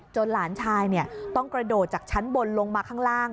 หลานชายต้องกระโดดจากชั้นบนลงมาข้างล่าง